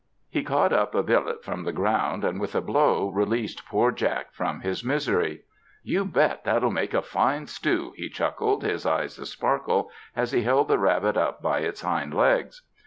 He caught up a billet from the ground, and with a blow, released poor Jack from his misery. "You bet that'll make a fine stew," he chuckled, his eyes a sparkle, as he held the rabbit up by its hind legs.